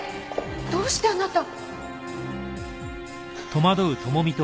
どうしてあなた。